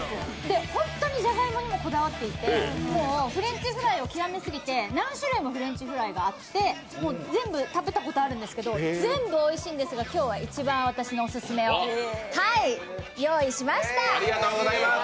ホントにじゃがいもにもこだわっていて、フレンチフライを極めすぎて、何種類もフレンチフライがあって、全部食べたことあって全部おいしいんですが今日は一番、私のオススメを用意しました。